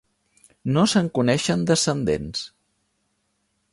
No se'n coneixen descendents.